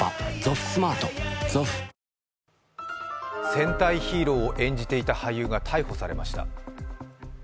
戦隊ヒーローを演じていた俳優が逮捕されました。